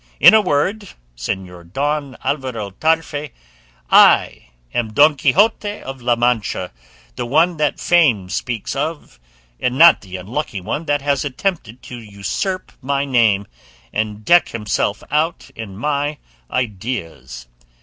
In a word, Señor Don Alvaro Tarfe, I am Don Quixote of La Mancha, the one that fame speaks of, and not the unlucky one that has attempted to usurp my name and deck himself out in my ideas.